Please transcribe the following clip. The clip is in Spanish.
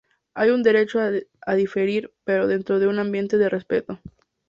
Hay un derecho a diferir, pero dentro de un ambiente de respeto.